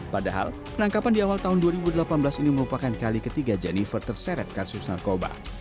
padahal penangkapan di awal tahun dua ribu delapan belas ini merupakan kali ketiga jennifer terseret kasus narkoba